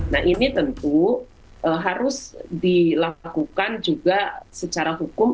nah ini tentu harus dilakukan juga secara hukum